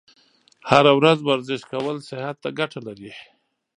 هره ورځ ورزش کول صحت ته ګټه لري.